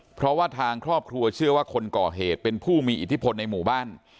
เพราะว่าทางครอบครัวเชื่อว่าคนก่อเหตุเป็นผู้มีอิทธิพลในหมู่บ้าน